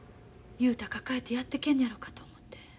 雄太抱えてやっていけんのやろかと思うて。